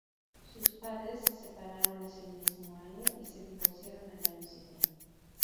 Sus padres se separaron ese mismo año y se divorciaron al año siguiente.